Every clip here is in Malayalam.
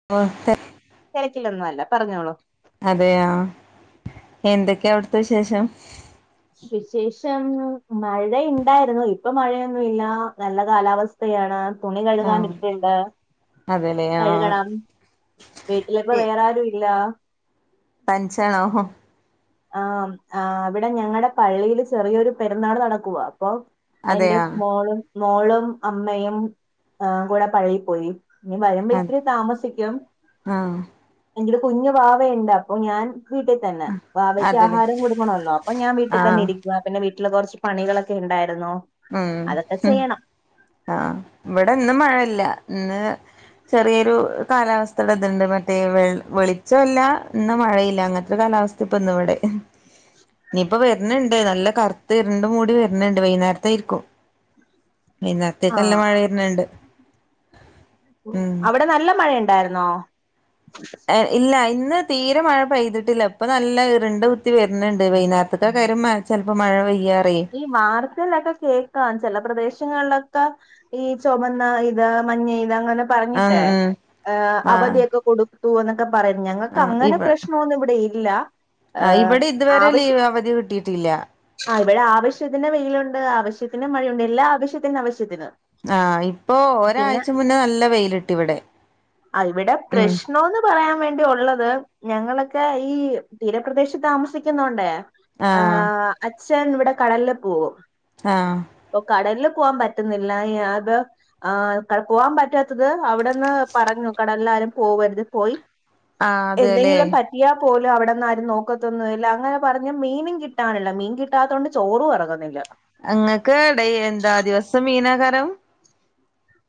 [unintelligible] തെരക്കിലൊന്നും അല്ല പറഞ്ഞോളു. അതെയാഹ് എന്തൊക്കെയാ അവിടുത്തെ വിശേഷം. വിശേഷം മഴയിണ്ടായിരുന്നു ഇപ്പൊ മഴയൊന്നുല്ല നല്ല കാലാവ സ്ഥയാണ് തുണി കഴുകാൻ ആഹ് ഇട്ടിണ്ട്. അതെല്ലേ കഴുകണം ആഹ് വീട്ടിലിപ്പ വേറെ ആരുല്ല. തനിച്ചാണോ ആ ആ ഇവിടെ ഞങ്ങളടെ പള്ളിയില് ചെറിയൊരു പെരുന്നാള് നടക്കുവ അപ്പൊ.. എന്റെ അതെയാ മോളും മോളും അമ്മയും ഏഹ് കൂടെ പള്ളിപ്പോയി. ഇനി വരുമ്പോ അത് ഇത്തിരി താമസിക്കും. ആഹ് എന്റെടെ കുഞ്ഞു വാവയിണ്ട് അപ്പൊ ഞാൻ വീട്ടിത്തന്നെ. അവയ്ക്ക് അതെല്ലേ ആഹാരം കൊടുക്കണല്ലോ അപ്പൊ ഞാൻ വീട്ടി തന്നെ ആഹ് ഇരിക്കുവ പിന്നെ വീട്ടില് കൊറച്ച് പണികളൊക്കെ ഇണ്ടായിരുന്നു. ഉം ഹ് ആഹ് ഇവിടെ ഇന്ന് മഴയില്ല ഇന്ന് ചെറിയൊരു കാലാവസ്ഥയുടെ ഇതെണ്ട് മറ്റേ വെൾ വെളിച്ചോല്ല എന്ന മഴയില്ല അങ്ങനത്തൊരു കാലാവസ് [unintelligible] ഇനിയിപ്പ വരണണ്ട് നല്ല കറുത്ത് ഇരണ്ട്മൂടി വരണെണ്ട് വൈന്നേര തേരിക്കും വൈന്നേരത്തേക്ക് നല്ല ആഹ് മഴ വരണെണ്ട്. അവിടെ നല്ല മഴ എണ്ടാരുന്നോ? എ ഇല്ല ഇന്ന് തീരെ മഴ പെയ്തിട്ടില്ല ഇപ്പൊ നല്ല ഇരുണ്ട്.. ത്തി വരുന്നെണ്ട് വൈന്നാര്ത്ത്ക്കെക്കാരം മഴ ചിലപ്പോ മഴ പെയ്യാറേ ഈ വാർത്തകളിലൊക്കെ കേക്കാം ചെല പ്രദേശങ്ങളിലൊക്കെ ഈ ചുമന്ന ഇത് മഞ്ഞ ഇത് അങ്ങനെ ഉം പറഞ്ഞിട്ട് ഉം ഏഹ് ആഹ് അവധിയൊക്കെ കൊടുത്തൂന്നൊക്കെ പറയും ഞങ്ങക്ക് ആഹ് അങ്ങനെ ഇവ പ്രശ്നോന്നും ഇവിടെയില്ലാ ആഹ് ഇവിടെ ഇതുവരെ ലീവ് അവധി കിട്ടിയട്ടില്ല. ആഹ് ഇവിടാവശ്യത്തിന് വെയിലുണ്ട് ആവശ്യത്തിന് മഴയുണ്ട് എല്ലാ ആവശ്യത്തിന് ആവശ്യത്തിന്. ആഹ് ഇപ്പൊ പിന്നെ ഒരാഴ്ച്ച മുന്നേ നല്ല വെയില് കിട്ടി ഇവിടെ. ആഹ് ഇവിടെ ഉം പ്രശ്നോന്ന്.. പറയാൻ വേണ്ടി ഒള്ളത് ഞങ്ങളൊക്കെ ഈ തീരപ്രദേശത്ത് താമസിക്കുന്നോണ്ടേ ആഹ് അച്ഛൻ ഇവിടെ കടലില് പോവും. ആഹ് ഇപ്പൊ കടലില് പോവാൻ പറ്റുന്നില്ല ഈയത് ആഹ് കൽ പോവാൻ പറ്റാത്തത് അവിടെന്ന്. പറഞ്ഞു കടലിൽ ആരും പോവ രുത് പോയി ആഹ് അതെല്ലേ എന്തെങ്കിലും പറ്റ.. ത്തിയ പോലും അവിടെന്നാരും നോക്കത്തൊന്നുവില്ല അങ്ങനെ പറഞ്ഞ് മീനും കിട്ടാനില്ല മീൻ കിട്ടാത്തോണ്ട് ചോറു എറങ്ങുന്നില്ല. അങ്ങക്ക് ഡൈ എന്താ ദിവസം മീനാഹാരം.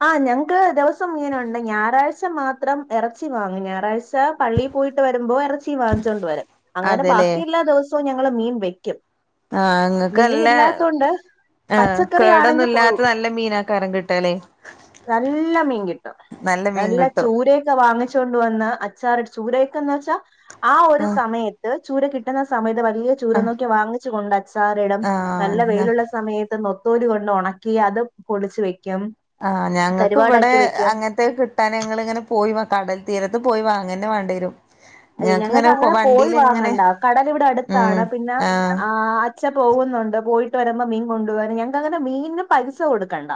ആഹ് ഞങ്ങക്ക് ദിവസം മീനുണ്ട് ഞായറാഴ്ച മാത്രം ഇറച്ചി വാങ്ങും ഞായറാഴ്ച.. ച്ച പള്ളീ പോയിട്ട് വരുമ്പോ എറ ത്തി വാങ്ങിച്ചോണ്ട് വരും. അങ്ങനെ അതെല്ലേ ബാക്കി എല്ലാ ദിവസവും ഞങ്ങള് മീൻ വെക്കും. ആഹ് ഇങ്ങക്ക് മീൻ നല്ല ഇല്ലാത്തോണ്ട് ആഹ് പച്ചക്കറി കേടൊന്നും ആണെങ്കിൽ ഇല്ലാത്ത നല്ല മീനാകാരം കിട്ടാലേ. നല്ല മീൻ കിട്ടും മീൻ നല്ല കിട്ടും ചൂരൊക്കെ വാങ്ങി. ച്ചോണ്ട് വന്ന് അച്ചാറിടും ചൂരേക്കെന്ന് വെച്ചാ ആ ഒരു ആഹ് സമയ ത് ചൂര കിട്ടുന്ന സമയത്ത് വലിയ ചൂര ആഹ് നോക്കി വാങ്ങിച്ച് കൊണ്ട് അച്ചാറിടും. നല്ല ആഹ് വെയിലുള്ള സമയത്ത് നെത്തോലി കൊണ്ട് ഒണക്കി അത് പൊടിച്ചു വെക്കും. ആഹ് ഞങ്ങ‌ക്കിവിടേ കരുവാടാക്കി വെക്കും അങ്ങന ത്തെ കിട്ടാന് ഞങ്ങൾ ഇങ്ങനെ പോയി കടൽ തീരത്ത് പോയി വാങ്ങന്നെ വേണ്ടിവരും. അയ്യ ഞങ്ങക്ക് അങ്ങനെ പോയി വാങ്ങണ്ട കടലിവിട അടുത്താണ് പിന്ന ആഹ് ച്ച പോകുന്നുണ്ട് പോയിട്ട് വരുമ്പോ മീൻ കൊണ്ടു വരും ഞങ്ങക്കങ്ങനെ മീനിന് പൈസ കൊടുക്കണ്ട.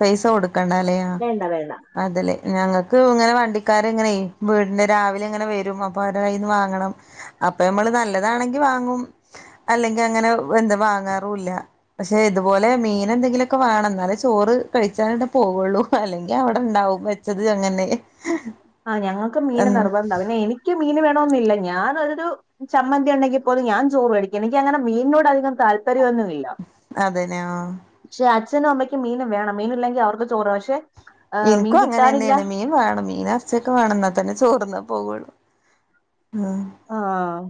പൈസ കൊടുക്കണ്ടെലെയാ ആഹ്. വേണ്ട വേണ്ട അതല്ലേ ഞങ്ങക്ക് ഇങ്ങനെ വണ്ടിക്കാരിങ്ങനെയേ വീടിന്റെ രാവിലെ ഇങ്ങനെ വരും അപ്പൊ അവരുടെ കയ്യീന്ന് വാങ്ങണം. അപ്പൊ നമ്മള് നല്ലതാണെങ്കി വാങ്ങും അല്ലെങ്കി അങ്ങനെ എന്താ വാങ്ങാറൂല്ല. പക്ഷെ ഇതുപോലെ മീനെന്തെങ്കിലുവൊക്കെ വേണം എന്നാലെ ചോറ് കഴിച്ചാലിട്ട പോവുള്ളൂ അല്ലെങ്കി അവിടെണ്ടാവും വെച്ചത് അങ്ങനന്നെ ആഹ് ഞങ്ങൾക്ക് മീന് നിർബന്താ പിന്നെ എനിക്ക് മീന് വേണൊന്നില്ല ഞാാനൊരു.. ചമ്മന്തി ഒണ്ടെങ്കി പോലും ഞാൻ ചോറ് കഴിക്കും. എനിക്ക് അങ്ങനെ മീനിനോടധികം താൽപര്യൊന്നുവില്ല. അതന്നെ ആഹ് പക്ഷെ അച്ഛനും അമ്മയ്ക്ക് മീനും വേണം മീന ഇല്ലെങ്കിൽ അവർക്ക് ച്ചോറും പക്ഷെ ആഹ് മീൻ ഇൻക്കും കിട്ടാനില്ല അങ്ങനെന്നെണ് മീൻ വേണം മീനും എർച്ചി ഒക്കെ വേണം ന്നാ തന്നെ ചോർന്നാ പോവള്ളൂ മ് ആഹ്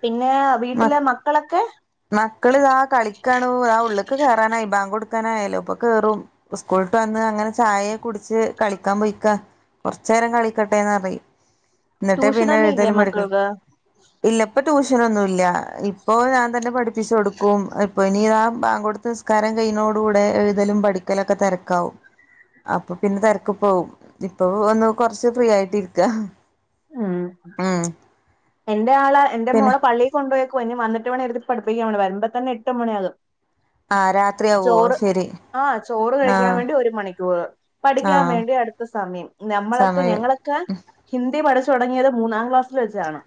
പിന്നെ മ വീട്ടിലെ മക്കളൊക്കെ മക്കള് ഇതാ കളിക്കാണൂ അതാ ഉള്ള്ക്ക് ക്കെറാനായി ബാങ്ക് കൊടുക്കാനായാലോ ഇപ്പൊ കേറും സ്കൂൾട്ട് വന്ന അങ്ങനെ ചായെ കുടിച്ച് കളിക്കാൻ പോയിക്കാ കൊർച്ചേരം കളിക്കട്ടെന്ന് പറിം ഇന്നിട്ടേ പിന്നെ ട്യൂഷനൊന്നും ഇല്ലേ എഴുതലും പടിക്കലും മക്കൾക്ക് ഇല്ല ഇപ്പൊ ട്യൂഷനൊന്നും ഇല്ല ഇപ്പൊ ഞാൻ തന്നെ പഠിപ്പിച്ച് കൊടുക്കും ഇപ്പൊ ഇനി താ ബാങ്ക്കൊട്ത്ത് നിസ്കാരം കയ്യുണോട്കൂടെ എഴുതലും പഠിക്കലൊക്കെ തെര് ക്കാവും അപ്പൊ പിന്നെ തെര്ക്ക് പോവും ഇപ്പൊ ഒന്ന് കൊർച്ച് ഫ്രീ ആയിട്ട് ഇരിക്ക ഉം ഉം എന്റെ ആള് എന്റെ പിന്നെ മോളെ പള്ളി കൊണ്ടുപോയെക്കുവാ ഇനിവന്നിട്ട് വേണം ഇരുത്തി പഠിപ്പിക്കാ വരുമ്പോ തന്ന എട്ട് മണിയാകും ആഹ് രാത്രിയാവോ ശെരി ആ ചോറ് കഴിക്കാൻ വേണ്ടി ഒരു മണിക്കൂറ് പഠിക്കാൻ ആഹ് വേണ്ടി അടുത്ത സമയം നമ്മളൊക്കെ സമയം ഞങ്ങളൊക്കെ ഹിന്ദി പഠിച്ചു തുടങ്ങിയത് മൂന്നാം ക്ലാസ്സില് വെച്ചാണ്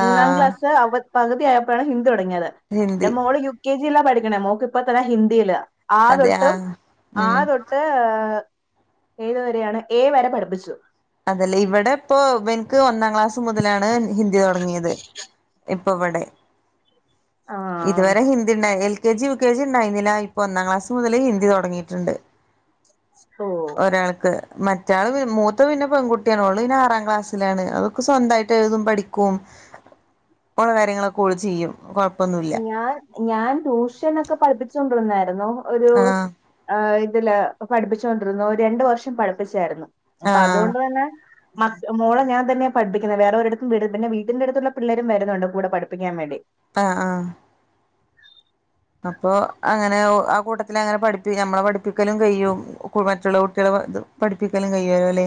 മൂന്നാം ക്ലാസ് അവ പകുതിആയപ്പളാ ഹിന്ദി തുടങ്ങിയത് ഇന്റെ ഹിന്ദി മോള് യു കെ ജി യിലാ പഠിക്കണേ മോക്ക് ഇപ്പ തന്നെ ഹിന്ദിയില ആ അതെ തൊട്ട് ആഹ് ആ ഉം തൊട്ട് ഏതുവരെയാണ് ഏ വരെ പഠിപ്പിച്ചു അതല്ലേ ഇവടെ പ്പൊ ഇവൻക്ക് ഒന്നാം ക്ലാസ് മുതലാണ് ഹിന്ദി തുടങ്ങിയത് ഇപ്പൊ ഇവടെ ആഹ് ഇതുവരെ ഹിന്ദിണ്ടായ്നി K G U K G ഉണ്ടായിരുന്നില്ല ഇപ്പോ ഒന്നാം ക്ലാസ് മുതൽ ഹിന്ദിതുടങ്ങിയിട്ടുണ്ട് ഓ ഒരാൾക്ക് മറ്റാൾ മൂ ത് പിന്നെ പെൺകുട്ടിയാണ് ഓള് പിന്നെ ആറാം ക്ലാസ്സിലാണ് അതൊക്കെ സ്വന്തായിട്ട് എഴുതും പഠിക്കും ഓളെ കാര്യങ്ങളൊക്കെ ഓൾ ചെയ്യും കൊഴപ്പൊന്നു ഞാൻ ഞാൻ ട്യൂഷനോക്കെ പഠിപ്പിച്ചൊണ്ടിരുന്നായിരുന്നു ഒരു ആഹ് ആ ഇതില് പഠിപ്പിച്ചോണ്ടിരുന്നു രണ്ടു വർഷം പഠിപ്പിച്ചായിരുന്നു അപ്പൊ ആഹ് അതുകൊണ്ട് തന്നെ മോള ഞാൻ തന്നാണ് പഠിപ്പിക്കുന്നത് വേറെഒരിടുത്തും വി പിന്നെ വീട്ടിന്റെ അടുത്തുള്ള പിള്ളേരും വരുന്നുണ്ട് കൂടെ പഠിപ്പിക്കാൻ വേണ്ടി ആ ആഹ് അപ്പൊ അങ്ങനെ ആ കൂട്ടത്തിലങ്ങനെ പഠിപ്പി ഞമ്മളെ പഠിപ്പിക്കലും കഴിയും മറ്റുള്ള കുട്ടിയളെ ഇത് പഠിപ്പിക്കലും കഴിയും ലെ ലേ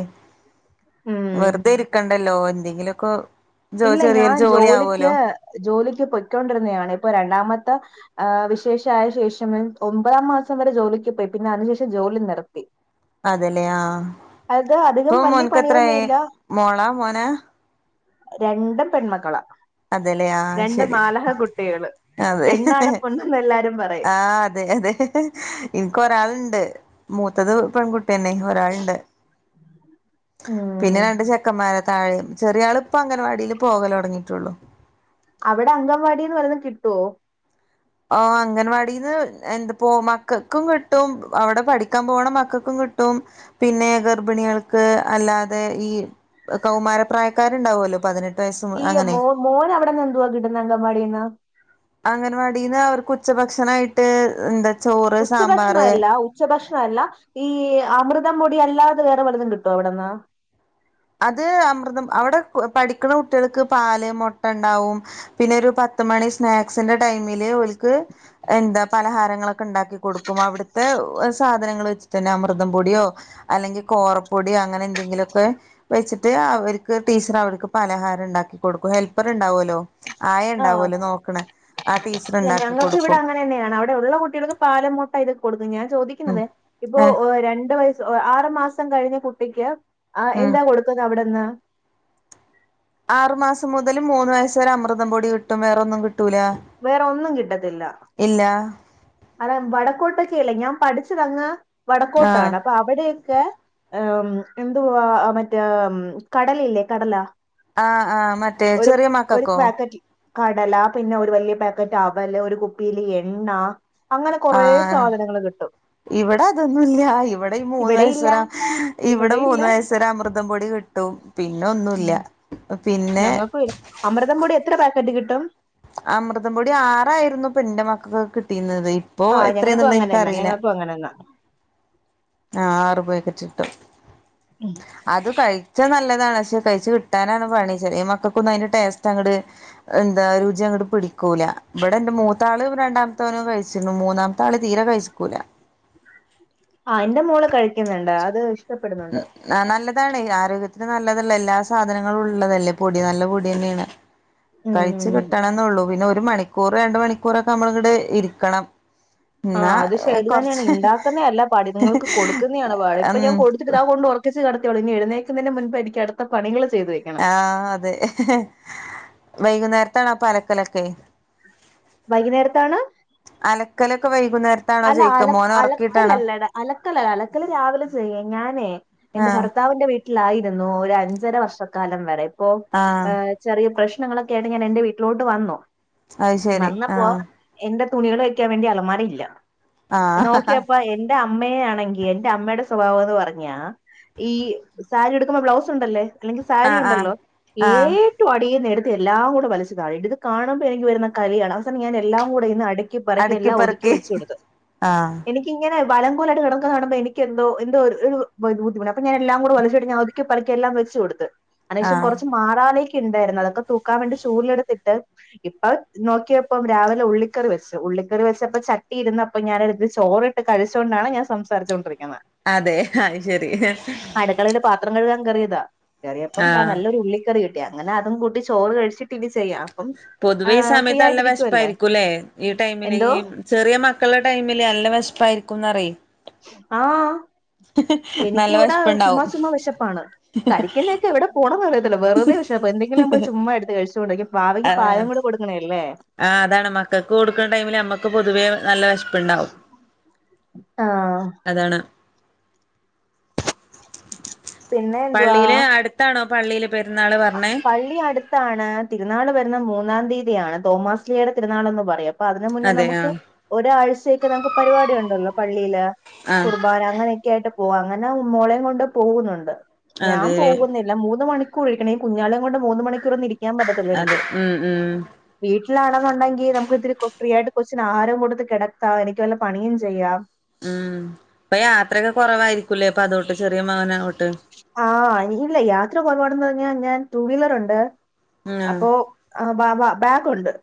ഉം വെറുതെ ഇരിക്കണ്ടല്ലോ എന്തെങ്കിലൊക്കെ ജോ ഇല്ല ചെറിയൊരു ഞാൻ ജോലി ജോലിക്ക് ആവൊലൊ ജോലിക്ക് പൊയ്ക്കൊണ്ടിരുന്നെണ് ഇപ്പൊ രണ്ടാമത്ത ആ വിശേഷായ ശേഷം ഒമ്പതാം മാസം വരെ ജോലിക്ക് പോയി പിന്നെ അതിനുശേഷം ജോലി നിർത്തി അതെ ലെ ആഹ് അത് ഇപ്പൊ അധികം വലിയ മോൻക്ക് എത്ര ആയി പണിയൊന്നുമില്ല മോളാ മോനാ രണ്ടും പെൺമക്കളാ അതെ ലെ ആഹ് രണ്ട് ശരി മാലഹ കുട്ടികള് അതെ പെണ്ണാണ് പൊണ്ണെന്ന് എല്ലാരും പറയും ആ അതെ അതെ ഇൻക്ക് ഒരാള്ണ്ട് മൂത്തത് പെൺകുട്ടിയന്നെ ഒരാള്ണ്ട് പിന്നെ ഉം രണ്ട് ചെക്കന്മാര താഴെ ചെറിയ ആൾ ഇപ്പൊ അംഗൻവാടിൽ പോകൽ തൊടങ്ങിട്ടോള്ളു അവിടെ അങ്കൻവാടിന്ന് വല്ലതും കിട്ടുവോ അംഗൻവാടിന്ന് എന്തപ്പോ മക്കക്കും കിട്ടും അവ്ടെ പഠിക്കാൻ പോണ മക്കക്കും കിട്ടും പിന്നെ ഗർഭിണിയൾക്ക് അല്ലാതെ ഈ കൗമാരപ്രായക്കാരുണ്ടാവൊല്ലോ പതിനെ ഈ മോ മോൻ അവിടെന്ന് എന്തുവാ കിട്ടുന്നേ അംഗൻവാടീന്ന് അംഗനവാടിന്ന് അവർക്ക് ഉച്ചഭക്ഷണായിട്ട് എന്താ ചോറ് സാമ്പാർ ഉച്ചഭക്ഷണല്ല ഈ അമൃതം പൊടി അല്ലാതെ വേറെ വല്ലതും കിട്ടൊ അവ്ട്ന്ന് അത് അമൃതം അവിടെ പഠിക്ക്ണ കുട്ടിയൾക്ക് പാല് മുട്ട ഇണ്ടാവും പിന്നൊരു പത്ത് മണി സ്നാക്സിന്റെ ടൈമില് ഓൽക്ക് എന്താ പലഹാരങ്ങളൊക്കെ ണ്ടാക്കി കൊട്ക്കും അവിട്ത്തെ സാധനങ്ങൾ വെച്ചിട്ടെന്നെ അമൃതം പൊടിയോ അല്ലെങ്കി കോറപ്പൊടി അങ്ങനെന്തെങ്കിലൊക്കെ വെച്ച്ട്ട് അവര്ക്ക് ടീച്ചറവർക്ക് പലഹാരം ണ്ടാക്കി കൊട്ക്കും ഹെൽപ്പറ്ണ്ടാവൊല്ലോ ആയ ആഹ് ണ്ടാവൊലോ നോക്ക്ണ ആ ടീച്ചർ ണ്ടാക്കി കൊട്ക്കും ന്നെയാണ് അവിടെയുള്ള കട്ട്യാൾക്ക് പാലം മുട്ട ഇതൊക്കെ കൊട്ക്കും ഞാൻ ഉം ചോദിക്കുന്നത് ഇപ്പൊ ഏ രണ്ട് വയസ്സ് ആറു മാസം കഴിഞ്ഞ കുട്ടിക്ക് ഉം എന്താ കൊടുക്കുന്ന് അവിടെന്ന് ആറു മാസം മുതൽ മൂന്ന് വയസ്സ് വരെ അമൃതം പൊടി കിട്ടും വേറൊന്നും കിട്ട് കിട്ടൂല വേറെ ഇല്ല അര വടക്കോട്ടൊക്കെയല്ലേ ഞാൻ പഠിച്ചതങ്ങ് ആഹ് വടക്കോട്ടാണ് അപ്പൊ അവിടെയൊക്കെ ഏം എന്തുവാ ആ മറ്റേ കടലില്ലേ കടലാ ആ ഹ്ആഹ് മറ്റേ ചെറിയ മക്കക്കോ പാക്കറ്റ് കടല പിന്നൊര് വല്ല്യ പാക്കറ്റ് അവല് ഒരു കുപ്പീല് എണ്ണ അങ്ങനെ കൊറേ ആഹ് സാധനങ്ങള് കിട്ടും. [inaudible] ഇവിടെ അതൊന്നൂല്ല ഇവിടെ ഈ മൂന്ന് വയസ് വരെ ഇവിടെ മൂന്ന് വയസ് വരെ അമൃതം പൊടി കിട്ടും പിന്നൊ ന്നൂല ഞങ്ങൾക്കു അമൃതം പൊടി എത്ര പാക്കറ്റ് കിട്ടും അമൃതം പൊടി ആറായ്ര്ന്നു പ്ന്റെ മക്കൾകൊക്കെ കിട്ടീന്നത് ഇപ്പൊ എത്രന്ന്ള്ളത് എൻക്കറീല പ്പ അങ്ങനെന്നാ ആറു പെക്കെറ്റിട്ടും. മ് അത് കഴ്ച്ചാ നല്ലതാണ് ക്ഷെ കഴിച്ചു കിട്ടാനാണ് പണി ചെറ്യ മക്കൾക്കൊന്നും അയ്ന്റെ ടേസ്റ്റങ്ങണ്ട് അങ്ങട് എന്താ രുചി അങ്ങട് പിടിക്കൂല ഇവിടെന്റെ മൂത്താളും രണ്ടാമത്തോനും കഴിച്ചീണ് മൂന്നാമ താള് തീരെ കൈസ്ക്കൂല. അ എന്റെ മോള് കഴിക്കുന്നുണ്ട് അത് ഇഷ്ടപ്പെട്ന്ന്ണ്ട്. ആ നല്ലതാണ് ആരോഗ്യത്തിന് നല്ലതല്ലെ എല്ലാ സാധനങ്ങളൂള്ളതല്ലേ പൊടി നല്ല പൊതന്നേയാണ് കഴിച്ചു ഉം കിട്ടണന്നൊള്ളൂ പിന്നെ ഒരു മണിക്കൂർ രണ്ട് മണിക്കൂറൊക്കെ നമ്മള്ങ്ങട് ഇരിക്കണം. അ എന്നാ അത് ശരി കൊറച്ച് തന്നെണ് ണ്ടാക്കുന്നെ അല്ല പാട് ഇത്ങ്ങക്ക് കൊടുക്കുന്നേ ആണ് പാട് ഇപ്പ ഉം ഞാൻ കൊടുത്തിട്ട് ഇതാ കൊണ്ട് ഒറക്കിച്ച് കെട്തിയൊള്ളു ഇനി എഴുന്നേക്കുന്നെ മുൻപ് എനിക്ക് അട്ത്ത പണികൾ ചെയ്ത് ആ അതെ വൈകുന്നേരത്താണപ്പലക്കലൊക്കെ വൈകുന്നേരത്താണ് അലക്കലൊക്കെ വൈകുന്നേര്ത്താണോ ചെയ്ക്ക മോനെ ഒറക്കീട്ടാണോ അലക്കല അലക്കല് രാവിലെ ചെയ്യ ഞാനേ എന്റെ ആഹ് ഭർത്താവിന്റെ വീ ട്ട്ലായിരുന്നു ഒരഞ്ചര വർഷക്കാലം വരെ ഇപ്പൊ ആഹ് എ ചെറിയ പ്രശ്നങ്ങളൊക്കെയായ്ട്ട് ഞാൻ എന്റെ വീട്ട്ലോട്ട് വന്നു അത് ശരി വന്നപ്പോ ആഹ് എന്റെ തുണികൾ വെക്കാൻ വേണ്ടി അളമാരയില്ല. ആഹ് നോക്ക്യപ്പൊ എന്റെ അമ്മെയെ ആണെങ്കി എന്റെ അമ്മയുടെ സ്വഭാവൊന്ന് പറഞ്ഞാ ഈ സാരി ട്ക്കുമ്പോ ബ്ലൗസുണ്ടല്ലേ ല്ലെങ്കി സാരി ആഹ് ആഹ് ഉണ്ടല്ലോ ഏ ആഹ് റ്റുയടീന്നെട്ത്ത് എല്ലാം കൂടെ വലിച്ച് തായേകിടും, ഇത് കാണുമ്പൊനിക്ക് വരുന്ന കലിയാണ് അവസാനം ഞാൻ എല്ലാം കൂടെന്ന് അടിക്ക് ക്കി പെറുക്യല്ലാം ഒതുക്കി അടുക്കിപ്പെറുക്കി വെച്ച്യൊടത്. ആഹ് എനിക്കിങ്ങനെ വലങ്കൊലായ്ട്ട് കെട ക്ക്ണ കാണുമ്പം എനിക്കെന്തൊ എന്തൊര് ഒരു ബുദ്ധിമുട്ട് അപ്പ ഞാന് എല്ലാം കൂട് വലിച്ചൊട്ങ്ങി ഒതുക്കി പെർക്കി എല്ലാം വെച്ചൊട്ത്ത് അനേഷൻ ആഹ് കൊറച്ചും മാറാലേക്കണ്ടാര്ന്നു അതൊക്കെ തൂക്കാൻ വേണ്ടി ചൂലെട്ത്തിട്ട് ഇപ്പ നോക്കിയപ്പം രാവിലെ ഉള്ളിക്കറി വെച്ച് ഉള്ളിക്കറി വെച്ചപ്പൊ ചട്ടി ഇരുന്ന അപ്പൊ ഞാനെട്ത്ത് ചോറിട്ട് കഴിച്ചൊണ്ടാണ് ഞാൻ സംസാരിച്ചൊണ്ടിര്ക്ക്ണെ. അതെ ആയ് ശരി. അടക്കളേല് പാത്രം കഴുകാൻ കേറിയതാ, കേറിയപ്പം താ ആഹ് നല്ലൊരു ഉള്ളി കറി ക് യ അങ്ങനെ അതും കൂട്ടി ചോറ് കഴിച്ചിട്ട് ഇനി ചെയ്യാം അപ്പം പൊതുവേ ഈ ഫ്രീ സമയത്ത് നല്ല ആയിട്ടിരിക്കുവല്ലേ വെശപ്പായിരിക്കൂല്ലേ ഈ ടൈമില് എന്തോ ഈ ചെറിയ മക്കളെ ടൈമില് നല്ല വെശപ്പായിരിക്കും എന്നറി ആഹ് [unintelligible] എനക്കിവിടെ ചുമ്മാ വിശപ്പുണ്ടാവും ചുമ്മാ വിശപ്പാണ് കഴിക്കുന്നതൊക്കെ എവിടെ പോണതറിയത്തില്ല വെറുതെ വിശപ്പാ എന്തങ്കിലും ചുമ്മാ എടുത്ത് കഴിച്ചോണ്ടിരിക്കും വാവയ്ക്ക് പാൽ കൂടി കൊടുക്കണേല്ലേ ആ അതാണ് മക്കക്ക് കൊടുക്ക്‌ണ ടൈമില് അമ്മക്ക് പൊതുവേ നല്ല വെശപ്പുണ്ടാവും ആഹ് അതാണ് ഉ [inaudible] പള്ളിയില് അടുത്താണോ പള്ളിയില് പെരുന്നാള് പറഞ്ഞേ പള്ളി അടുത്താണ് തിരുനാള് വരുന്ന മൂന്നാം തീയതിയാണ് തോമാസ്ലിയുടെ തിരുനാൾ എന്ന് പറയും അപ്പൊ അതിന് മുന്നേ അതെ നമുക്ക് ആഹ് ഒരാഴ്ചയക്ക് നമുക്ക് പരിപാടി ഉണ്ടല്ലോ പള്ളിയില് ആഹ് കുർബാന അങ്ങനെയൊക്കെ ആയിട്ട് പോക അങ്ങനെ മോളെയയും കൊണ്ട് പോകുന്നുണ്ട് ഞാൻ അതെ പോകുന്നില്ല ഇല്ല മൂന്ന് മണിക്കൂർ ഇരിക്കണം ഈ കുഞ്ഞാളേയും കൊണ്ട് മൂന്ന് മണിക്കൂറൊന്നും ഇരിക്കാൻ പറ്റത്തില്ല അതെ എനിക്ക് ഉം ഉം വീട്ടിലാണെന്നുണ്ടെങ്കിൽ നമുക്ക് ഇത്തിരി ഫ്രീ ആയിട്ട് കൊച്ചിന് ആഹാരവും കൊടുത്ത് കിടത്താം എനിക്ക് വല്ല പണിയും ചെയ്യാം ഉം ഇപ്പൊ യാത്രയൊക്കെ കുറവായിരിക്കൂല്ലേ ഇപ്പൊ അതോട്ട് ചെറിയ മകനായതുട്ട് ആഹ് ഇല്ല യാത്ര കൊറവാണെന്ന് പറഞ്ഞാൽ ഞാൻ റ്റൂ വീലർ ഉണ്ട് ഉം ആഹ് അപ്പൊ ആ ബാവ ബാഗുണ്ട്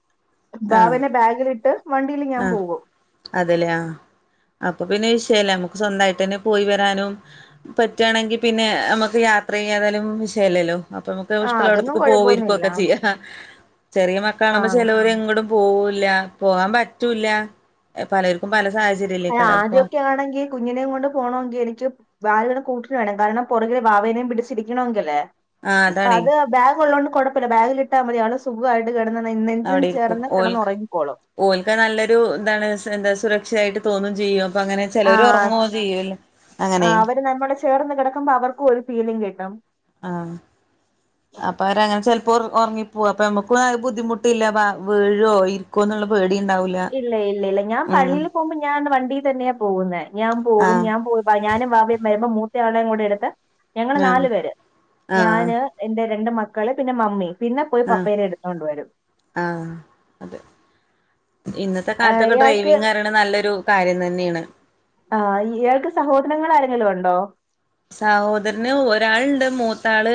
ആഹ് ബാവനെ ബാഗിലിട്ട് വണ്ടിൽ ഞാൻ പോകും അതല്ലേ ആ അപ്പൊ പിന്നെ വിഷയല്ല നമുക്ക് സ്വന്തായിട്ടന്നെ പോയി വരാനും പറ്റാണെങ്കി പിന്നെ നമുക്ക് യാത്ര ചെയ്യാതാലും വിഷയല്ലല്ലോ അപ്പൊ നമുക്ക് ആഹ് ഇഷ്ടം അതൊന്നും അവിടത്തേക്ക് പോ കുഴപ്പൊന്നുമില്ല ഇരിക്കുവൊക്കെ ചെയ്യാ ചെറിയ മക്കളാണുമ്പോ ആഹ് ചെലവർ എങ്ങടും പോവൂല്ല പോകാൻ പറ്റൂല്ല പലർക്കും പല സാഹചര്യം ആദ്യൊക്കെ ആണെങ്കി കുഞ്ഞിനെയും കൊണ്ട് പോകണമെങ്കിൽ എനിക്ക് വാര് കൂട്ടിനു വേണം കാരണം പുറകെ വാവേനേം പിടിച്ചിരിക്കണെങ്കിലേ ആഹ് ഇപ്പൊ അതാണേ അത് ബാഗ് ഉള്ളോണ്ട് കൊഴപ്പില്ല ബാഗിൽ ഇട്ടാൽ മതി ആള് സുഖായിട്ട് കെടന്ന് നെ നെഞ്ചും അവിടെ ഇരിക്കും ചേർന്ന് ഓൽക്ക് കെടന്നുറങ്ങിക്കോളും ഓൽക്ക് നല്ലൊരു എന്താണ് എന്താ സുരക്ഷയിട്ട് തോന്നും ചെയ്യും അപ്പ അങ്ങനെ ചിലവർ ആഹ് ഉറങ്ങുവ ചെയ്യല്ല അങ്ങനെയും അവര് നമ്മളെ ചേർന്ന് കെടക്കുമ്പോ അവർക്കും ഒരു ഫീലിങ് കിട്ടും ആഹ് അപ്പൊ അവരങ്ങനെ ചെലപ്പോ ഒറങ്ങിപ്പോകും അപ്പൊ നമ്മുക്കും ബുദ്ധിമുട്ടില്ല വീഴോ ക്കുമോ എന്നുള്ള പേടി ഉണ്ടാവി ഇല്ല ഇല്ല ഇല്ല ഞാൻ പള്ളിയിൽ പോകുമ്പോ ഞാൻ വണ്ടിൽ തന്നെയാ പോകുന്നേ ഞാൻ പോകും ആഹ് ഞാൻ പോ ഞാനും വാവേം വരുമ്പോ മൂത്തയാളയും കൂടി എടുത്ത് ഞങ്ങള് ആഹ് നാലു പേര് ആഹ് ഞാന് എന്റെ രണ്ട് മക്കള് പിന്നെ മമ്മി പിന്നെ പോയി ആഹ് പപ്പേനെ എടുത്തോണ്ട് വരും ആഹ് അതെ ഇന്നത്തെ ആ, കാലത്തൊക്കെ ഇയാൾക്ക് ഡ്രൈവിംഗ് അറി നല്ലൊരു കാര്യം തന്നെണ് ആ ഇയാൾക്ക് സഹോദരങ്ങൾ ആരെങ്കിലുംണ്ടോ സഹോദരന് ഒരാളുണ്ട് മൂത്താള്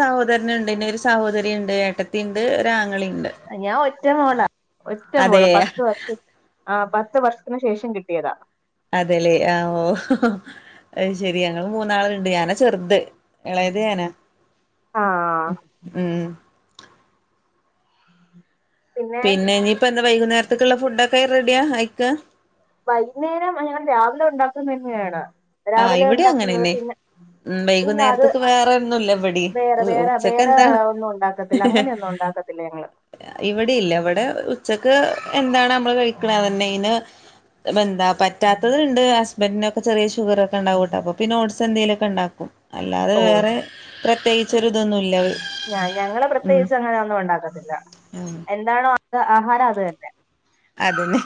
സഹോദരനുണ്ട് പിന്നെ ഒരു സഹോദരി ഉണ്ട് ഏട്ട ത്തിണ്ട് ഒരാങ്ങളയുണ്ട് ഞാൻ ഒറ്റ മോളാ ഒറ്റമോള് പത്ത് വർഷം ആ പത്ത് വർഷത്തിന് ശേഷം കിട്ടിയതാ അതെല്ലേ ആഓ അയ്ശെരി ഞങ്ങള് മൂന്നാളുണ്ട് ഞാനാ ചെറുത് ഇളയത് ഞാനാ ആ ഉം പിന്നെ ഇനിയിപ്പന്താ വൈകുന്നേരത്തക്കുള്ള ഫുഡൊക്കെ റെഡിയാ ആയിക്കാ വൈകുന്നേരം ഞങ്ങൾ രാവിലെ ഉണ്ടാക്കുന്ന തന്നെയാണ് ആ രാവിലെ ഇവിടെ ഉണ്ടാക്കുന്നത് അങ്ങനെന്നെ പിന്നെ ഉം ഇല്ല അത് വൈകുന്നേരത്തേക്ക് വേറെ ഒന്നുല്ല ഇവിടേം വേറെ വേറെ ഉച്ചക്ക് വേറെ എന്താണ് ഒന്നും ഉണ്ടാക്കത്തില്ല അങ്ങനെയൊന്നും ഉണ്ടാക്കത്തില്ല ക്കത്തില്ല ങ്ങള് ഇവിടെയില്ല ഇവിടെ ക്ക് എന്താണ് നമ്മൾ കഴിക്കന്നെ ഇന് എന്താ പറ്റാത്തത്ണ്ട് ബെന്നൊക്കെ ചെറിയ ഷുഗ റൊക്കെ ഇണ്ടാവുംട്ടോ അപ്പോ പിന്ന ഓട്സ് എന്തെങ്കിലൊക്കെ ഇണ്ടാക്കും അല്ലാതെ വേറെ പ്രത്യേകിച്ചൊര് തൊന്നുംല്ല. ഞ ഞങ്ങള് പ്രത്യേകിച്ച് അങ്ങനെ ഒന്നും ഉണ്ടാക്കത്തില്ല എന്താണോ അത് ആഹാരം അത് തന്നെ. അതന്നെ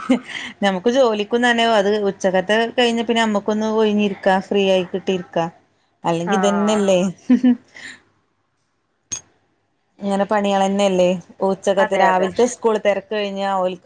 നമക്ക് ജോലിക്കും തന്നെ അത് ഉച്ചക്കത്തെ കയ്ഞ്ഞ് പിന്നെ നമ്മുക്കൊന്ന് ഒയ്ഞ്ഞ്ര്ക്കാം ഫ്രീ ആയി കിട്ടിര്ക്ക ആ അല്ലെങ്കി ഇതന്നെയല്ലേ?. ഇങ്ങനെ പണികളെന്നെല്ലേ ഉച്ചക്കത്ത് അതെ അതെ രാവിൽത്തെ സ്കൂൾ ത്തെ തെര്കയ്ഞ്ഞാ